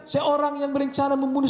seorang yang berencana membunuh